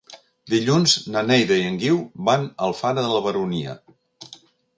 Dilluns na Neida i en Guiu van a Alfara de la Baronia.